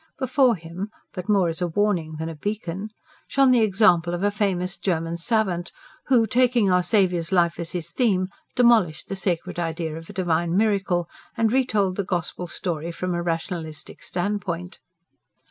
Before him, but more as a warning than a beacon, shone the example of a famous German savant, who, taking our Saviour's life as his theme, demolished the sacred idea of a Divine miracle, and retold the Gospel story from a rationalistic standpoint.